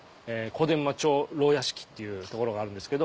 小伝馬町牢屋敷っていうところがあるんですけど。